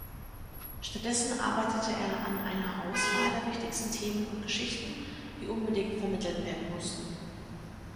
Stattdessen arbeitete er an einer Auswahl der wichtigsten Themen und Geschichten, die unbedingt vermittelt werden mussten.